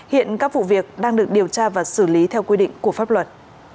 hiện các vụ việc đang được điều tra và xử lý theo quy định của pháp luật